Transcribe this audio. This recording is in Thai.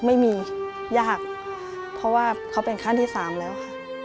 ไม่มียากเพราะว่าเขาเป็นขั้นที่๓แล้วค่ะ